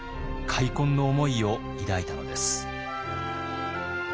悔恨の思いを抱いたのです。